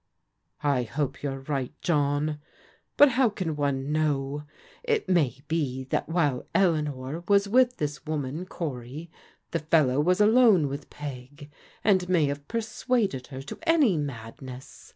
'*" I hope you're right, John. But how can one know ? It may be that while Eleanor was with this woman Cory, the fellow was alone with Peg, and may have persuaded her to any madness.